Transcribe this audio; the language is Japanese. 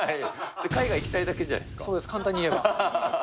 海外行きたいだけじゃないでそうです、簡単に言えば。